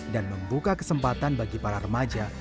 dan membuka kesempatan bagi para remaja